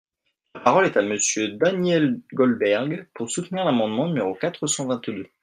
La parole est à Monsieur Daniel Goldberg, pour soutenir l’amendement numéro quatre cent vingt-deux.